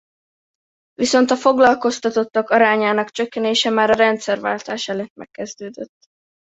Viszont a foglalkoztatottak arányának csökkenése már a rendszerváltás előtt megkezdődött.